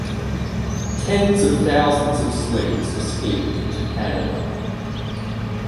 Tens of thousands of slaves escaped to Canada.